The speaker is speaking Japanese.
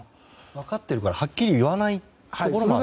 分かっているからはっきり言わないところもある。